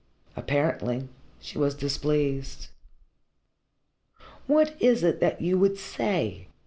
Apparently she was displeased. "What is it that you would say?"